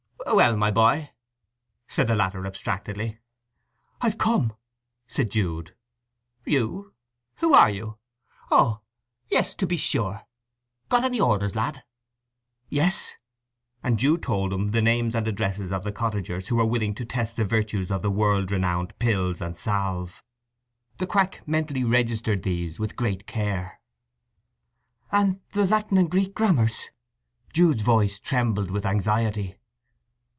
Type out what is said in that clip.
"Well, my boy?" said the latter abstractedly. "I've come," said Jude. "You? who are you? Oh yes—to be sure! Got any orders, lad?" "Yes." And Jude told him the names and addresses of the cottagers who were willing to test the virtues of the world renowned pills and salve. The quack mentally registered these with great care. "And the Latin and Greek grammars?" Jude's voice trembled with anxiety.